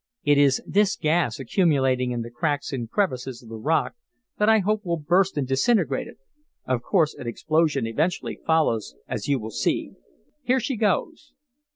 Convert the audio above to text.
It is this gas, accumulating in the cracks and crevices of the rock, that I hope will burst and disintegrate it. Of course, an explosion eventually follows, as you will see. Here she goes!"